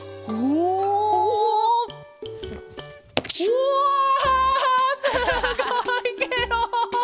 うわすごいケロ！